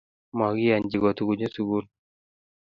makiyonchi kotu kunyo sukul